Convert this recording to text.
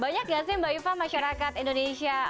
banyak gak sih mbak iva masyarakat indonesia